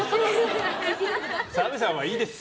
澤部さんはいいです。